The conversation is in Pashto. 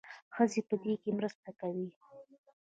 ښځې په دې کې مرسته کوي.